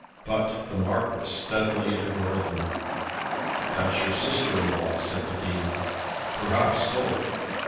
But the Marquis steadily ignored them. "That's your sister in law," said the Dean. "Perhaps so."